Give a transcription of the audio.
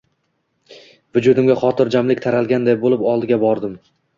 Vujudimga xotirjamlik taralganday bo`lib, oldiga bordim